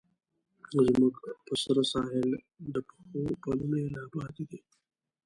زموږ په سره ساحل، د پښو پلونه یې لا پاتې دي